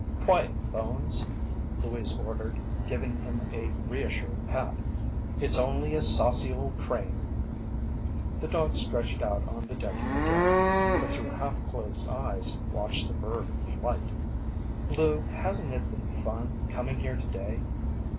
"Quiet, Bones!" Louise ordered, giving him a reassuring pat. "It's only a saucy old crane." The dog stretched out on the decking again, but through half closed eyes watched the bird in flight. "Lou, hasn't it been fun, coming here today?"